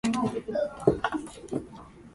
出町橋や出雲路橋を渡って川の流れをのぞみ、